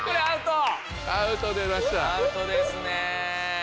アウトですね。